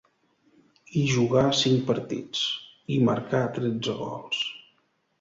Hi jugà cinc partits, i marcà tretze gols.